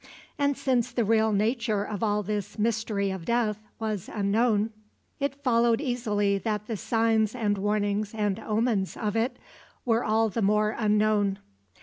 And since the real nature of all this mystery of death was unknown, it followed easily that the signs and warnings and omens of it were all the more unknown.